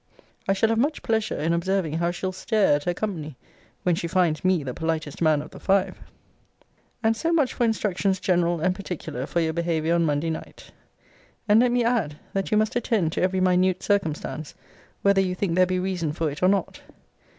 I shall have much pleasure in observing how she'll stare at her company, when she finds me the politest man of the five. And so much for instructions general and particular for your behaviour on Monday night. And let me add, that you must attend to every minute circumstance, whether you think there be reason for it, or not.